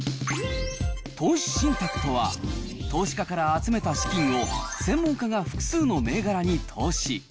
投資信託とは、投資家から集めた資金を専門家が複数の銘柄に投資。